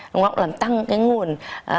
đúng không làm tăng nguồn